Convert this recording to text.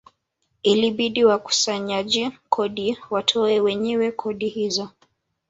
Ilibidi wakusanyaji kodi watoe wenyewe kodi hizo